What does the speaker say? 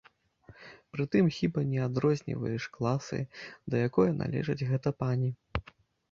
Прытым, хіба не адрозніваеш класы, да якое належыць гэта пані?